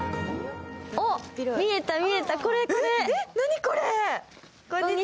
お、見えた、見えた、これこれ。